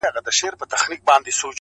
دا یو اختر به راته دوه اختره سینه,